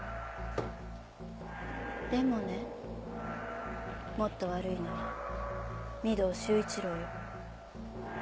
でもねもっと悪いのは御堂周一郎よ。